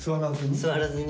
座らずに。